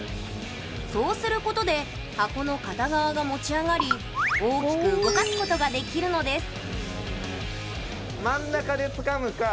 そうすることで箱の片側が持ち上がり大きく動かすことができるのです。